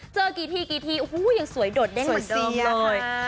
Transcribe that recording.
เจอกี่ทีกี่ทียังสวยโดดเด้งเหมือนเดิมเลย